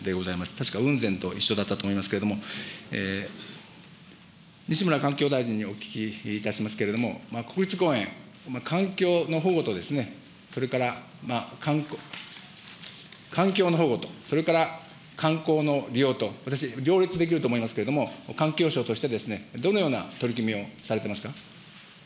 確か雲仙と一緒だったと思いますけど、西村環境大臣にお聞きいたしますけれども、国立公園、環境の保護と、それから、環境の保護と、それから観光の利用と私、両立できると思いますけど、環境省としてどのような取り組みをされてますか。